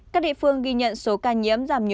các địa phương ghi nhận số ca nhiễm